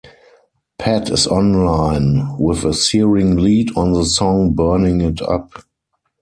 Pat is on line with a searing lead on the song Burning it Up.